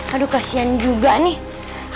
aduh kasian juga nih